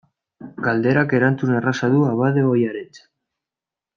Galderak erantzun erraza du abade ohiarentzat.